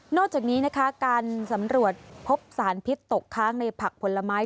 จากนี้นะคะการสำรวจพบสารพิษตกค้างในผักผลไม้